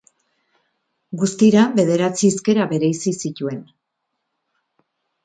Guztira bederatzi hizkera bereizi zituen.